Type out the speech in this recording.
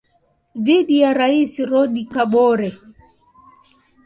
dhidi ya Rais Roch Kabore